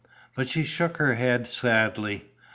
But she shook her head sadly.